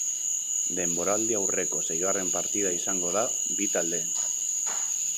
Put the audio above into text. Denboraldiaurreko seigarren partida izango da bi taldeentzat.